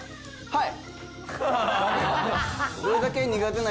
はい！